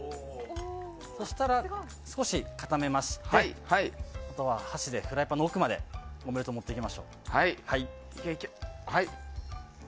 そしたら少し固めまして箸でフライパンの奥までオムレツを持ってきましょう。